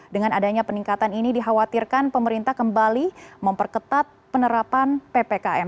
dengan adanya peningkatan ini dikhawatirkan pemerintah kembali memperketat penerapan ppkm